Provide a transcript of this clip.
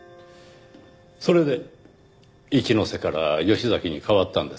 それで一ノ瀬から吉崎に変わったんですね。